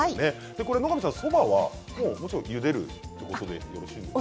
そばは、ゆでるということでよろしいですか？